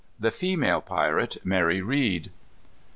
_The Female Pirate, Mary Read.